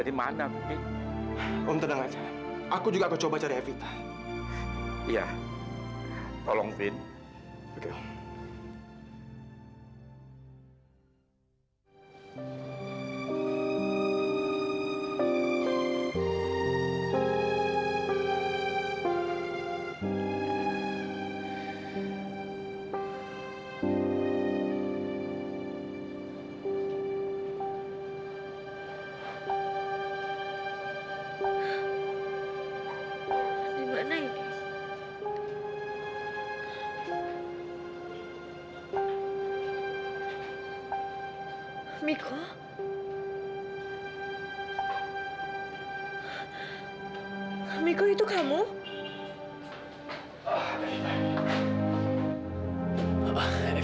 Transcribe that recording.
sampai jumpa di video selanjutnya